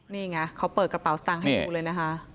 นี่ไงเขาเปิดกระเป๋าสตางค์ให้ดูเลยนะคะ